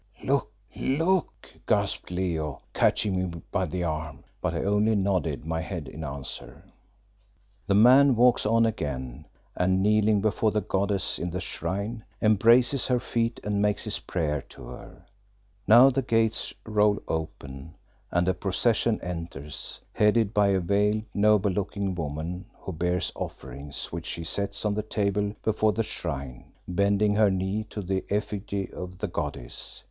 "Look, look!" gasped Leo, catching me by the arm; but I only nodded my head in answer. The man walks on again, and kneeling before the goddess in the shrine, embraces her feet and makes his prayer to her. Now the gates roll open, and a procession enters, headed by a veiled, noble looking woman, who bears offerings, which she sets on the table before the shrine, bending her knee to the effigy of the goddess.